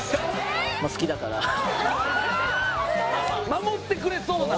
守ってくれそうな。